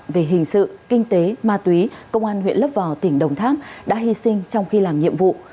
về hình sự kinh tế ma túy công an huyện lấp vò tỉnh đồng tháp đã hy sinh trong khi làm nhiệm vụ